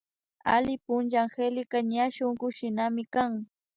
Alli puncha Angélica ña shunkullinamikan